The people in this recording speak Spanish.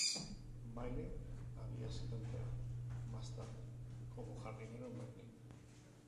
Maire había sido empleado, más tarde, como jardinero en Berlín.